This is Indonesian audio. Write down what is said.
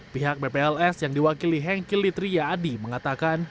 pihak bpls yang diwakili hengkilitriya adi mengatakan